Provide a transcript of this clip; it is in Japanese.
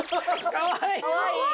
かわいい。